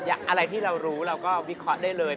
อะไรที่เรารู้เราก็วิเคราะห์ได้เลย